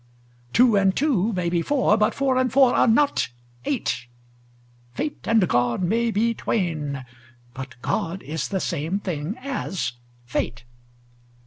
Two and two may be four: but four and four are not eight: Fate and God may be twain: but God is the same thing as fate.